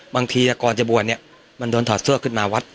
บางทีก่อนจะบวชเนี่ยมันโดนถอดเสื้อขึ้นมาวัด